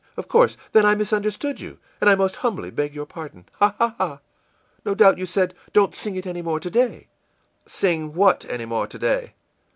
Of course, then, I misunderstood you, and I most humbly beg your pardon, ha ha ha! No doubt you said, 'Don't sing it any more to day.'î ìSing what any more to day?